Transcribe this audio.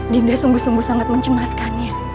dinda sungguh sungguh sangat mencemaskannya